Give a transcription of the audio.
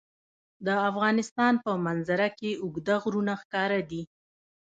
د افغانستان په منظره کې اوږده غرونه ښکاره ده.